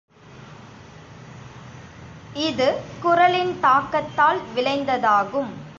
இது குறளின் தாக்கத்தால் விளைந்ததாகும்.